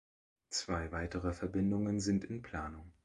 Zwei weitere Verbindungen sind in Planung.